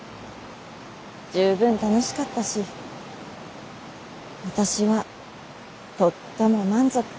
十分楽しかったし私はとっても満足。